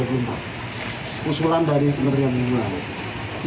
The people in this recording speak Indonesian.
usulan dari pusko penyekatan di karawang jawa barat